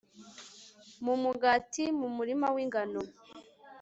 mu mugati mu murima w'ingano